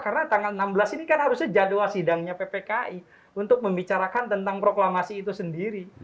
karena tanggal enam belas ini kan harusnya jadwal sidangnya ppki untuk membicarakan tentang proklamasi itu sendiri